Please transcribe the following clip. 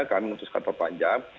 kami menutupkan terpanjang